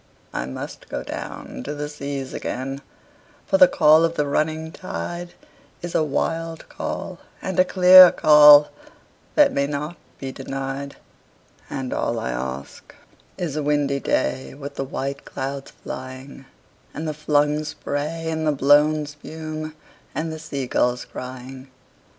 I must down go to the seas again, for the call of the running tide Is a wild call and a clear call that may not be denied; And all I ask is a windy day with the white clouds flying, And the flung spray and the blown spume, and the sea gulls crying.